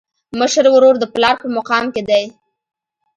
مشر ورور د پلار په مقام کي دی.